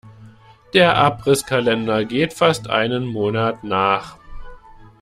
Der Abrisskalender geht fast einen Monat nach.